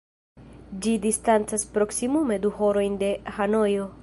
Ĝi distancas proksimume du horojn de Hanojo.